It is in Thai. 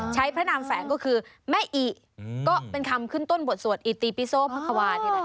พระนามแฝงก็คือแม่อิก็เป็นคำขึ้นต้นบทสวดอิติปิโซพระควานี่แหละ